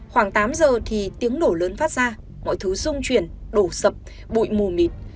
khoảng tám giờ thì tiếng nổ lớn phát ra mọi thứ dung chuyển đổ sập bụi mù mịt